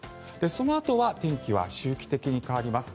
そのあとは天気は周期的に変わります。